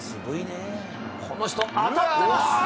この人、当たってます。